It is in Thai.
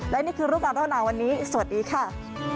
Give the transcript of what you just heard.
และนี่คือรูปรับด้านหน้าวันนี้สวัสดีค่ะ